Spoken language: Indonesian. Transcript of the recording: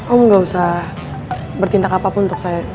oh gak usah bertindak apapun untuk saya